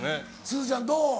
すずちゃんどう？